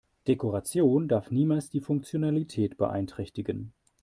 Dekoration darf niemals die Funktionalität beeinträchtigen.